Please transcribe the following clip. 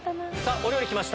お料理来ました